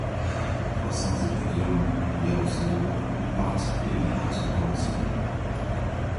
Trois cents étudiants de Yaroslavl y partent et une partie du corps enseignant.